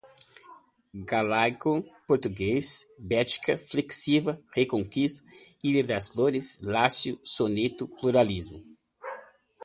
galaico-português, Bética, flexiva, Reconquista, ilha das Flores, Lácio, soneto, pluralismo